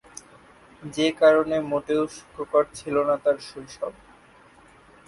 যে কারণে মোটেও সুখকর ছিল না তার শৈশব।